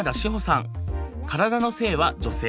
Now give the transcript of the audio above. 体の性は女性。